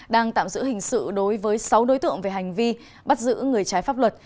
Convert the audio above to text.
đang tạm giữ hình sự đối với sáu đối tượng về hành vi bắt giữ người trái pháp luật